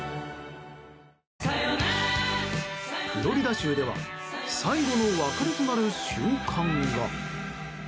フロリダ州では最後の別れとなる瞬間が。